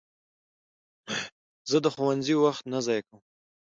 زه د ښوونځي وخت نه ضایع کوم.